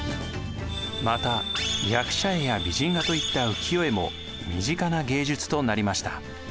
また役者絵や美人画といった浮世絵も身近な芸術となりました。